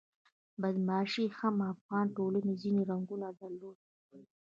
بدماشي هم د افغان ټولنې ځینې رنګونه درلودل.